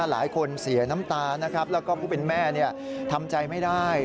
หลายคนเสียน้ำตานะครับแล้วก็ผู้เป็นแม่ทำใจไม่ได้